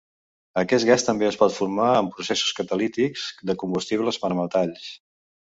Aquest gas també es pot formar en processos catalítics de combustibles per metalls.